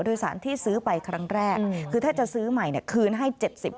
โดยสารที่ซื้อไปครั้งแรกคือถ้าจะซื้อใหม่เนี่ยคืนให้๗๐